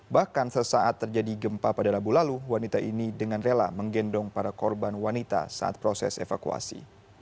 bahkan sesaat terjadi gempa pada rabu lalu wanita ini dengan rela menggendong para korban wanita saat proses evakuasi